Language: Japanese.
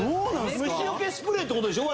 虫除けスプレーってことでしょう